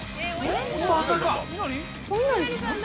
まさか？